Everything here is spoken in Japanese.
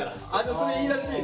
それいいらしいね。